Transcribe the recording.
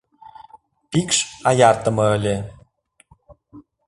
Пикш аяртыме ыле.